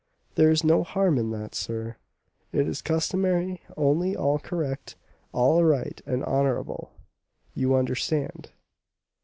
"There is no harm in that, sir, it is customary; only all correct, all right and honourable, you understand.